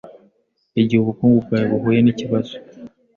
igihe ubukungu bwawe buhuye n’ikibazo.